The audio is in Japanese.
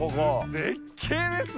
絶景ですね！